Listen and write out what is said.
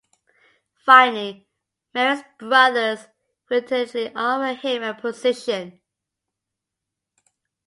Finally, Mary's brothers reluctantly offer him a position.